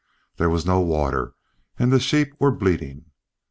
There was no water, and the sheep were bleating.